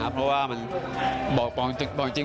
เพราะว่ามันบอกจริง